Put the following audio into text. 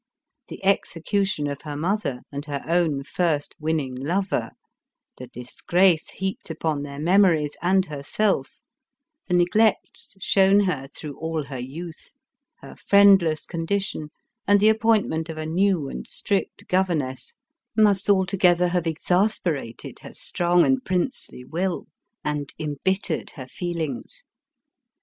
The execution of her mother and her own first winning lover, the dis grace heaped upon their memories and herself, the neglects shown her through all her youth, her fricnd less condition and the appointment of a new and strict governess, must altogether have exasperated her strong 282 ELIZABETH OF ENGLAND. and princely will and embittered her feelings.